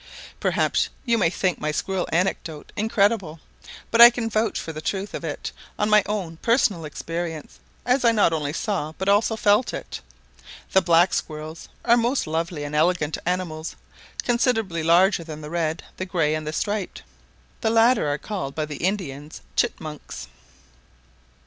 Perhaps you may think my squirrel anecdote incredible; but I can vouch for the truth of it on my own personal experience, as I not only saw but also felt it: the black squirrels are most lovely and elegant animals, considerably larger than the red, the grey, and the striped: the latter are called by the Indians "chit munks."